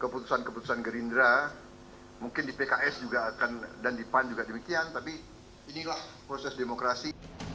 keputusan keputusan gerindra mungkin di pks juga akan dan di pan juga demikian tapi inilah proses demokrasi